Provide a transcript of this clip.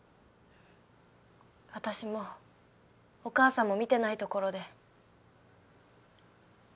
私もお母さんも見てないところで。